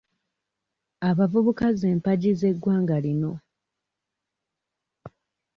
Abavubuka z'empagi z'eggwanga lino.